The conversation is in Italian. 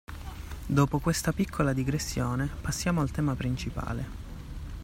Dopo questa piccola digressione passiamo al tema principale.